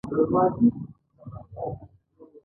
د مبادلاتو په ودې سره پرمختللی شکل رامنځته شو